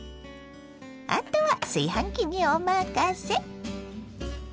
あとは炊飯器にお任せ！